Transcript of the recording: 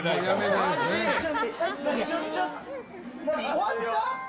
終わった？